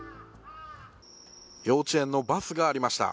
幼稚園のバスがありました。